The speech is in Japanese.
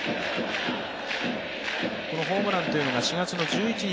このホームランというのが４月１１日